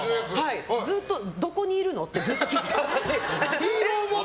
ずっと、どこにいるの？って聞いてた。